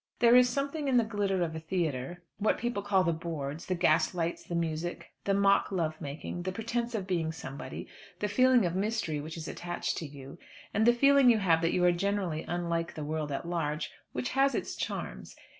There is something in the glitter of a theatre what people call the boards, the gaslights, the music, the mock love making, the pretence of being somebody, the feeling of mystery which is attached to you, and the feeling you have that you are generally unlike the world at large which has its charms.